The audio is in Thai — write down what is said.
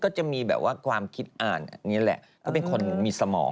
จะมีแบบว่าความคิดอ่านอันนี้แหละก็เป็นคนมีสมอง